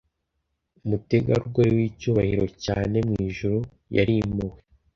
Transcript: Umutegarugori wicyubahiro cyane mwijuru yarimuwe